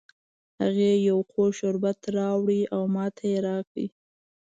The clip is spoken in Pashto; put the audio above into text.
هغې یو خوږ شربت راوړ او ماته یې را کړ